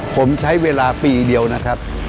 ผมใช้เวลาปีเดียวนะครับ